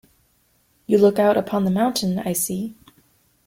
You look out upon the mountain, I see.